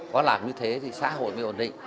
có làm như thế thì xã hội mới ổn định